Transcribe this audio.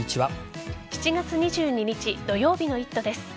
７月２２日土曜日の「イット！」です。